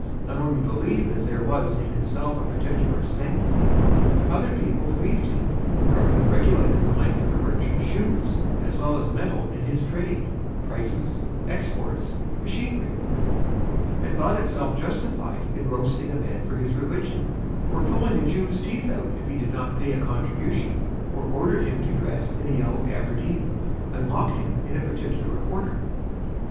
not only believed that there was in himself a particular sanctity, but other people believed him. Government regulated the length of a merchant's shoes as well as meddled with his trade, prices, exports, machinery. It thought itself justified in roasting a man for his religion, or pulling a Jew's teeth out if he did not pay a contribution, or ordered him to dress in a yellow gabardine, and locked him in a particular quarter.